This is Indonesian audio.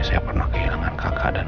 saya pernah kehilangan kakak dan